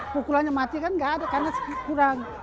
pukulannya mati kan nggak ada karena kurang